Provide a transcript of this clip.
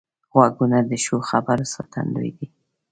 غوږونه د ښو خبرو ساتندوی دي